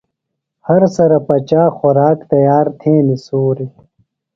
ہرسرہ پچا خوراک ، تیار تھینیۡ سُوری